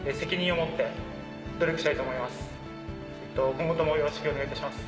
今後ともよろしくお願いいたします。